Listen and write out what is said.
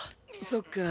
そっか。